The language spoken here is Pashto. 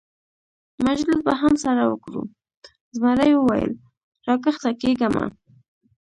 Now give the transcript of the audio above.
مجلس به هم سره وکړو، زمري وویل: را کښته کېږه مه.